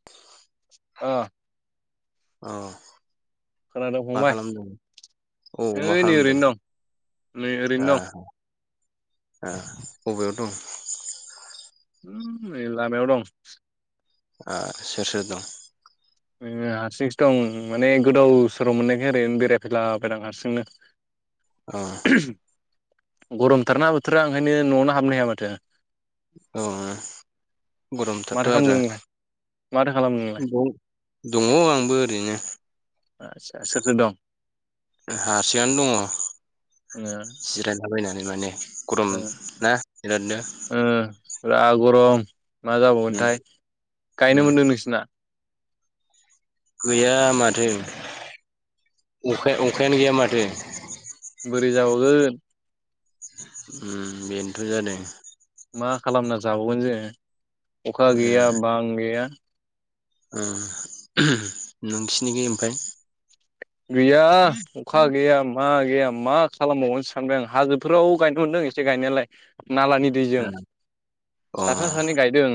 [inaudible] ओ अ खोनादों मा फंबाय खालामदों औ मा ओइ नै खालामदों ओरैनो दं नै आ ओरैनो दं आ बबेयाव दं होम नै लामायाव दं आ सोर सोर दं ओम हारसिंसो दं माने गोदाव सोराव मोननायखाय ओरैनो बेरायफैलाबायदां हारसिंनो अ गरमथारना बोथोरा ओंखायनो न'आवनो हाबनो हाया माथो औ गरमथाराथ' माथो खालामदों नोंलाय माथो खालामदों नोंलाय आरो बोव दङ आंबो ओरैनो आस्सा सोर सोर दं हारसिंआनो दङ ओ जिरायलाबायनानै माने गरम ओ ना बिरादनो ओ जा गरम मा उम जाबावगोनथाय गायनो उम मोनदों नोंसिना गैया माथो अखा अखायानो गैया माथो बोरै जाबावगोन उम बेनोथ' जादों मा खालामना जाबावगोन जोङो अखा गैया बां गैया ओम नोंसिनिखि ओमफाय गैया अखा गैया मा गैया मा खालामबावगोन सो सानबाय आं हाजोफोराव गायनो मोनदों एसे गायनायालाय नालानि दैजों अ साफा सानै गायदों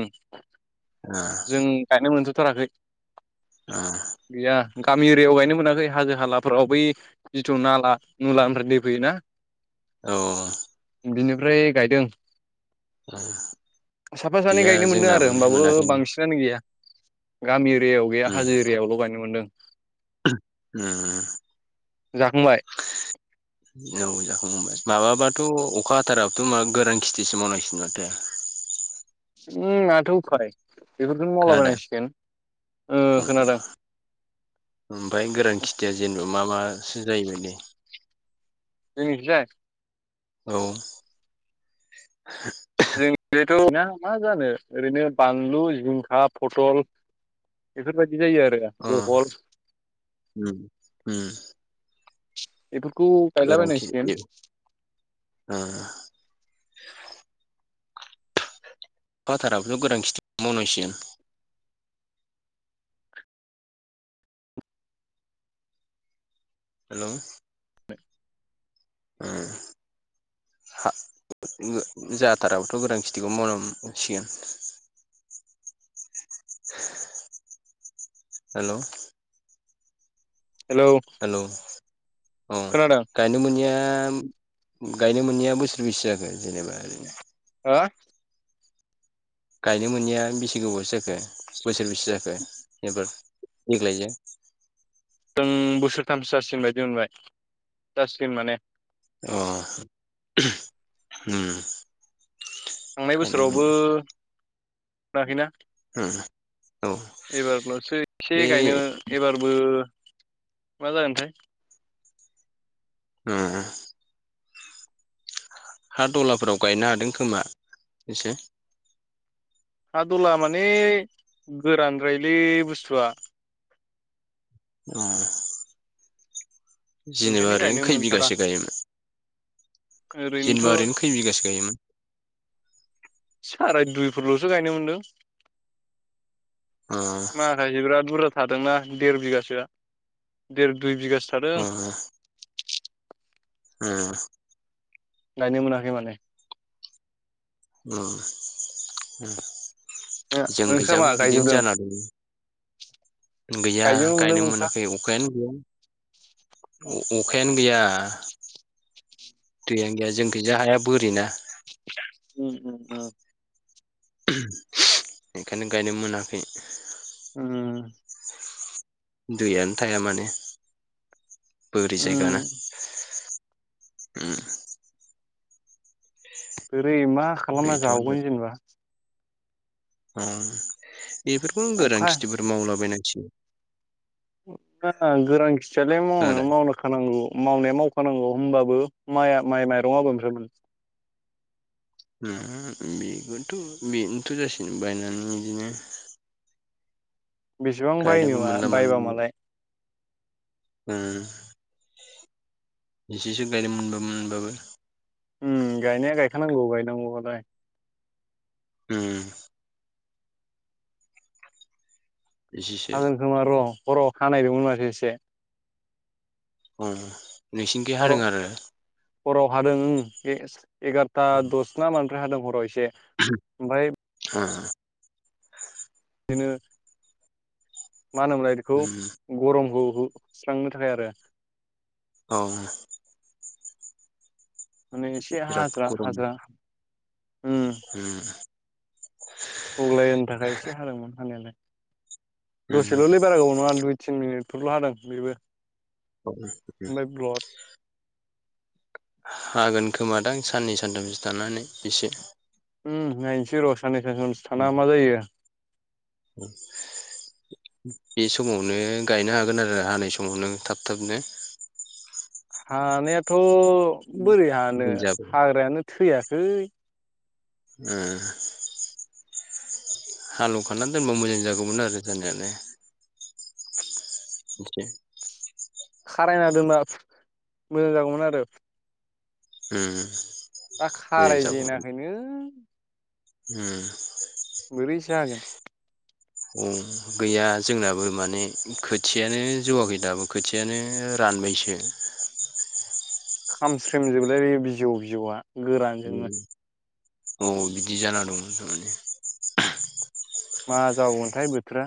जों गायनो मोनजोब थाराखै [unintelligible] गैया गामि एरियाव गायनो मोनाखै हाजो हालाफोराव बै जिथु नाला नुलानिफ्राय दै फैयो ना औ बिनिफ्राय गायदों साफा सानै गैया गायनो मोनदो जोंनाबो आरो होमबाबो मोनाखैनो बांसिन फ्रानो गैया गामि एरियायाव गैया उम हाजो एरियायावल' गायनो मोनदों [unintelligible] [unintelligible] जाखांबाय माबाबाथ' अखा हाथाराबथ' मा गोरान खेथिसो मावनांसिगोन माथो उम माथ' उफाय बेफोरखौनो खोनादों मावलाबायनांसिगोन ओ खोनादों ओमफाय गोरान खेथिया जेनेबा मा मा सो जायो बायदि जोंनिखिजाय औ [unintelligible] ना मा जानो ओरैनो बानलु जिंखा फथल बेफोरबायदि जायो आरो बहल उम उम उम बेफोरखौ गायलाबायनांसिगोन [unintelligible] अखा हाथाराबाथ' गोरान खिथिखोनो मावनांसिगोन हेलौ [inaudible] [unintelligible] हा जाथाराबोथ' गोरान खेथिखौनो मावनांसिगोन हेल' हेलौ हेल' औ खोनादों गायनो मोनैया गायनो मोनैया बोसोर बैसे जाखो जेनेबा ओरैनो हा गायनो मोनैया बेसे गोबावसो जाखो बोसोरबेसे जाखो एबार देग्लायनिया जों बोसोरथामसो जासिगोन बायदि मोनबाय जासिगोन माने अ उम थांनाय गायनो बोसोरावबो मोनो मोनाखैना [unintelligible] औ एबारल'सो एसे बे गायनो एबारबो मा जागोनथाय उम उम हा दलाफोराव गायनो हादों खोमा एसे हा दला माने गोरानद्रायलै बुस्थुआ अ ओंखायनो जेनेबा गायनो ओरैनो खै मोनथारा बिगासो गायोमोन ओरैनोथ' जेनेबा ओरैनो खै बिगासो गायोमोन साराय दुइफोरल'सो गायनो मोनदों अ बिराद बुरजा थादोंना देर बिगासोआ देर दुइ बिगासो थादों औ ओम नायनो मोनाखै माने उम ओ नोंस्रा मा जोंखैजाबो बिदिनो गायजोबदों जाना दङो गैया गायजोबनो मोनदों गायनो नोंस्रा? मोनाखै अख अखायानो गैया आदसा अखायानो गैया दैयानो गैया जोंनिखिजाय हायानो बोरि ना उम उम उम बेखायनो गायनो मोनाखै उम दैयानो थाया माने बोरि जायगाना उम उम बोरै मा खालामना जावगोन जेनेबा उम बेफोरखौनो अखा गोरान खिथिफोर मावलाबायनांसिगोन ओ गोरान खिथियालाय आरो मावनो मावनो खानांगौ मावनाया मावखानांगौ होनोमबाबो माया माइ माइरं अबेफ्राय मोन उम बेखौथ' बेनोथ' जासिगोन बायनानै बिदिनो बेसेबां बायनो गायनोबो मोनला बायबा मानोबो मोनला मालाय उम एसेसो गायनो मोनबाबो मोनबाबो उम गायनाया गायखानांगौ गायनांगौबालाय। उम इजिसो। हागोन खोमा र' हराव हानायदोंमोन माथो एसे। अ नोंसिनिखै हादों हराव आरो? हराव हादों उम एस एगार'था दस ना मानिफ्राय हादों हराव एसे। ओमफ्राय हा आ दिनो मा होनोमोनलाय बेखौ? उम गरमखौ हो स्रांनो थाखाय आरो। अ आ माने एसे बिराद हाज्रा गरम हाज्रा उम। उम सग्लाय होनो थाखाय एसे हादोंमोन हानायालाय। उम दसेल' लै बारा गोबाव नङा दुइ तिन मिनिटफोरल' हादों बेबो। उम उम ओमफ्राय ब्ल'द। हागोन खोमादां साननै सानथामसो थानानै एसे। उम नायनोसै र' साननै सानथामसो थाना मा जायो। औ बे समावनो गायनो हागोन आरो हानाय समावनो थाब थाबनो। हानायाथ' बोरै दै हानो जाबा हाग्रायानो थैयाखै। उम हालेवखाना दोनबा मोजां जागौमोन आरो जानायालाय। [unintelligible] खारायना दोनबा मोजां जागौमोन आरो। उम। दा मोजां खाराय जेनाखैनो। ओ। बोरै जागोन? औ गैया जोंनाबो माने खोथियानो जौवाखै दाबो खोथि यानो रानबायसो। खामस्रेम जोबलायबाय बे बिजौ बिजौआ गोरान जोंनो। अ बिदि जाना दं थारमाने। मा जाबावगोनथाय बोथोरा।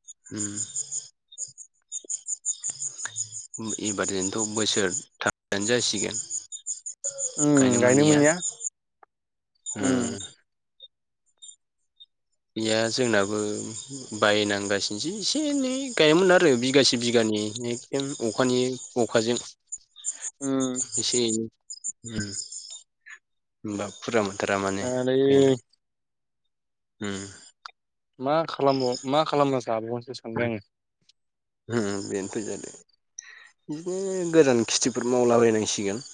ओम। ओम एबारजोंथ' बोसोर थानो जासिगोन। उम गायनो मोननिया, मोनैया उम। गैया जोंनाबो बायनांगासिनोसै एसे एनै गायोमोन आरो बिगासे बिगानैनि। जों अखानि अखाजों उम एसे एनै ओम। होनबाबो फुरा मोनथारा माने गायनो, जालायो ओम। मा खालामबाव मा खालामना जाबावगोनसो सानबाय आङो। ओम बेनथ' जादों। इदिनो गोजान खिथिफोर मावलाबायनांसिगोन।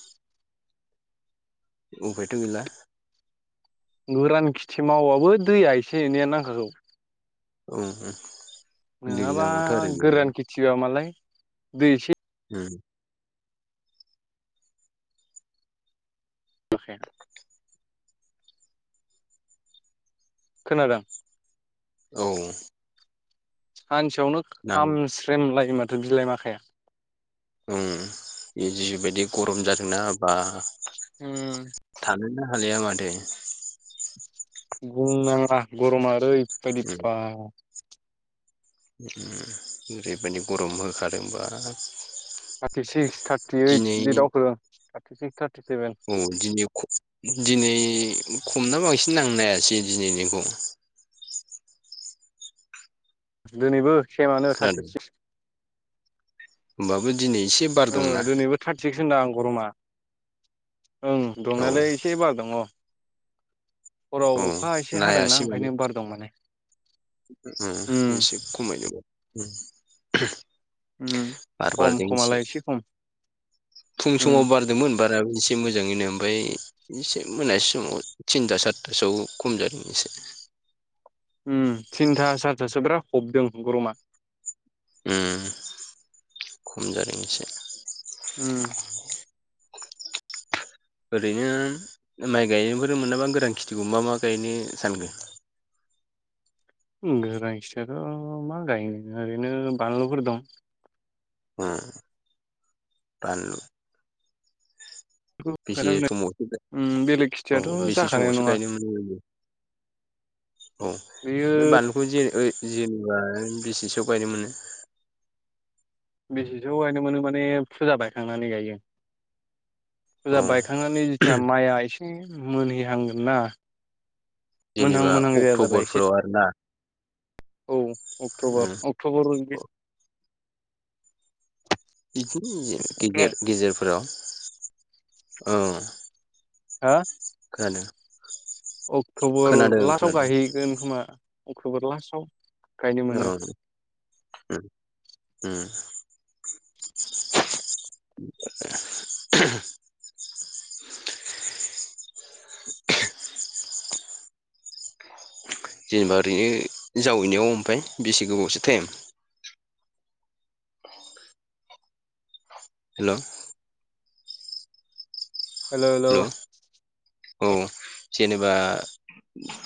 उफायथ' गैला। गोरान खिथि मावबाबो दैया एसे एनैया नांखागौ। औ नंगौ। नङाबा गोरान खिथिया मालाय दै एसे ओम हाखाया खोनादों? औ। सानसेयावनो नां खामस्रेम लायो माथो बिलाइ मा ओम जिबायदि गरम जादोंना बा ओम। थानोनो हालिया माथो। बुंनांला गरमा ओरैबादि बा ओम ओरैबायदि गरम होखादों बा थार्टि सिक्स थार्टि इट बिदि दावखोदों थार्कि सिक्स थार्कि सेभेन। अ दिनै ख दिनै खमना बांसिन आं नायासै दिनै निखौ। दिनैबो सेमानो थारटि सिक्स होनबाबो दिनै एसे बार ओ दंना दिनैबो थारथि सिक्स ओंदां गरमा ओं औ दुंनायालाय एसे बार दङ औ हराव अखा एसे हादोंना ओंखायनो बार दं माने। ओम उम एसे खमायदों। उम बार खम बारदों दि-एसे खमालाय एसे खम फुं उम समाव बार दोंमोन बाराबो एसे मोजाङैनो ओमफाय एसे मोनसि समाव थिनथा सारिथासोआव खम जादों एसे। उम थिनथा सारिथासोयाव बिराद हबदों गरमा। उम खम जादों एसे। उम। ओरैनो माइ गायनोफोर मोनाबा गोरान खिथिफौर मा गायनो सानखो? गोरान खेथियाथ' मा गायनो ओरैनो बानलुफोर दं। उम बान बेसे गायला थमावथो उम बेलेग औ खिथियाथ' बेसे जाखानाय समावसो नङा गायनो मोनहै औ बेयो बे बानलुखौ जे जेनेबा बेसेसोयाव गायदोंमोन? बेसेसोयाव गायनो मोनो माने फुजा बायखांनानै फुजा औ बायखांनानै जेथिया माइआ एसे मोनहै हांगोन ना मोनहां जेनेबा मोनहां जायाजाला एसे अक्ट'बरफोराव आरोना औ अक्टबर अक्ट'बर बिदिनो गेदेर गेजेरफोराव औ। हा खानादों अक्ट'बर लास्टाव खोनादों गायहैगोन खोमा अक्ट'बर लास्टाव। गायनो मोनो औ ओम उम [unintelligible] जेनेबा ओरैनो जावैनायाव ओमफाय बेसे गोबावसो टाइम हेल' हेल' हेल' हेलौ औ जेनेबा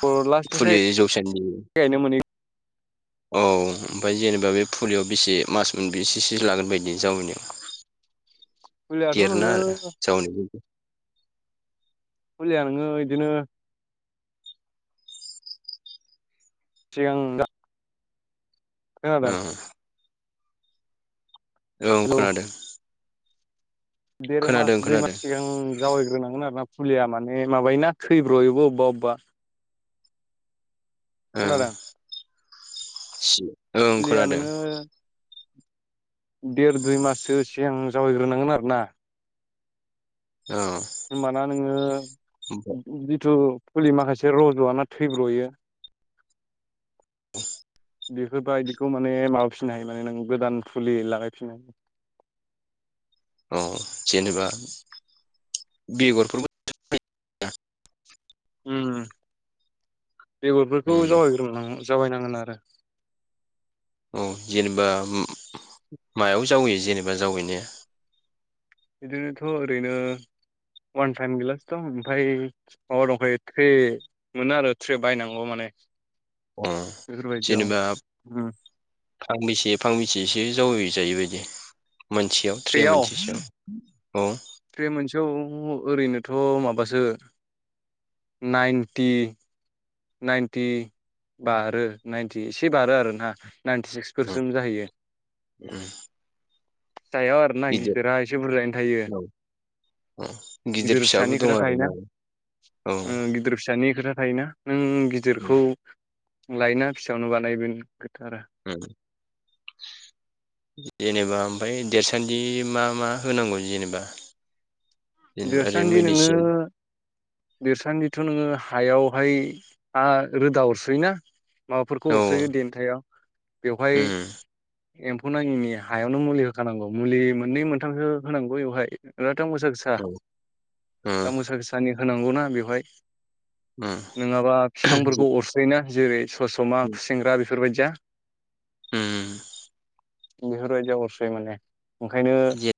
लास्टनिफ्राय फुलि जौसानन्दि गायनो मोनै औ ओमफाय जेनेबा बे फुलियाव बेसे मास मोनबैसेसो लागोन बायदि जावैनायाव फुलियाथ' देरना आरो नोङो [unintelligible] फुलिया नोङो इदिनो सिगां दा औ खोनादों औ हेलौ खोनादों देर मास खोनादों दुइ मास खोनादों सिगां जावयैग्रोनांगोन आरोना फुलिया माने माबायोना थैब्र'योबो अबेबा अबेबा ओ खोनादों [unintelligible] फुलिया नोङो देर दुइ माससो सिगां जाउवाइ ग्रोनांगोन आरो ना औ होमबाना नोङो जिथु फुलि माखासे रज'वाना थैब्र'यो बेफोरबायदिखौ माने माबा फिननो हायो नों गोदान फुलि लागायफिननो हायो अ जेनेबा बेगरफोरबो उम बेगरफोरखौ उम जावाइग्रोनांगोन जावाइनांगोन आरो अ जेनेबा मायाव जावैयो जेनेबा जावैनाया इदिनोथ' ओरैनो वान टाइम गिलास दं ओमफाय माबा दंफायो थ्रे मोनो आरो थ्रे बायनांगौ माने अ बेफोरबायदियाव जेनेबा उम फांबैसे फांबैसेसो जावै जायो बायदि मोनसेयाव थ्रे मोनसे सायाव औ थ्रे मोनसेयाव ओरैनोथ' माबासो नाइन्टि नाइन्टि बारो नाइन्टि एसे बारो आरोना नाइन्टि सिक्स उम फोरजों जाहैयो उम सायाव आरो ना गिदिर गिदिरा एसे बुर्जायैनो थायो औ औ गिदिर फिसाबो फिसानि दं खोथा थायोना आरोना औ उम गिदिर फिसानि खोथा थायोना नों गिदिरखौ लायोना फिसायावनो बानायो बे नोंनि खोथा आरो ओम जेनेबा ओमफाय देरसान्दि मा मा होनांगौ जेनेबा [inaudible] ओरै देरसान्दि नोङो मेडिसिन देरसानदिथ' नोङो हायावहाय हा रोदा अरसयो ना माबाफोरखौ औ अरसोयो देन्थायाव बेवहाय उम एम्फौ नाङिनि हायावनो मुलि होखानांगौ मुलि मोननै मोनथामसो होनांगौ एवहाय [unintelligible] दाम गोसा गोसा [inaudible] उम दाम गोसा गोसानि होनांगौना बेवहाय उम नङाबा फिफांफोरखौ अरस ओरैनो जेरै सस'मा खुसेेंग्रा बेफोरबायदिया उम बेफोरबायदि अरस'यो माने ओंखायनो जे